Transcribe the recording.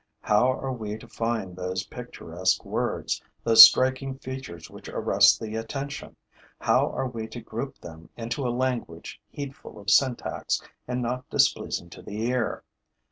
How are we to find those picturesque words, those striking features which arrest the attention? How are we to group them into a language heedful of syntax and not displeasing to the ear?